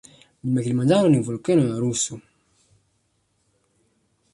Mlima kilimanjaro ni volkeno ya rusu